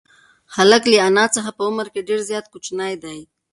هلک له انا څخه په عمر کې ډېر زیات کوچنی دی.